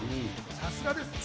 さすがです。